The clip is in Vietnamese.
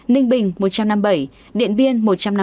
ninh bình một trăm năm mươi bảy điện biên một trăm năm mươi